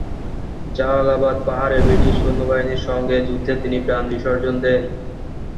জালালাবাদ পাহাড়ে ব্রিটিশ সৈন্যবাহিনীর সংগে যুদ্ধে তিনি প্রাণ বিসর্জন দেন।